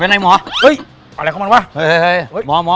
ไปไหนหมอเฮ้ยอะไรของมันวะเฮ้ยเฮ้ยเฮ้ยเฮ้ย